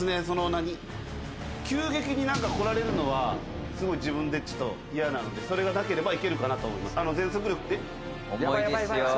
その何急激に何か来られるのはすごい自分でちょっと嫌なのでそれがなければいけるかなと思います